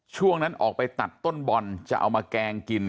ช่วงนั้นออกไปตัดต้นบอลจะเอามาแกงกิน